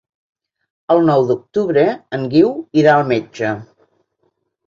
El nou d'octubre en Guiu irà al metge.